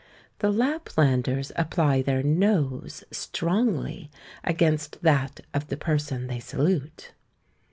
The Laplanders apply their nose strongly against that of the person they salute.